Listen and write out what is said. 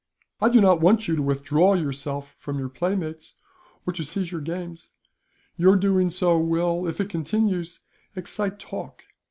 "I do not want you to withdraw yourself from your playmates, or to cease from your games. Your doing so will, if it continues, excite talk.